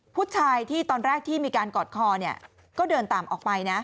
ผู้ชายที่ตอนแรกที่มีการกอดคอเนี่ยก็เดินตามออกไปนะ